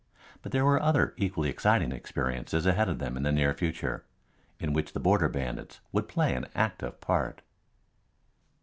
But there were other equally exciting experiences ahead of them in the near future, in which the Border Bandits would play an active part.